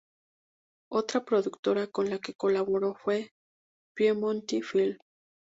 Otra productora con la que colaboró fue "Piemonte Film".